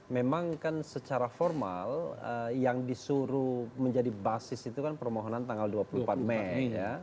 memang kan secara formal yang disuruh menjadi basis itu kan permohonan tanggal dua puluh empat mei ya